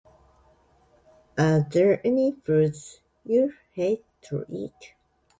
Are there any foods you hate to eat?